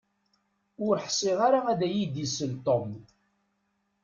Ur ḥsiɣ ara ad iyi-d-isel Tom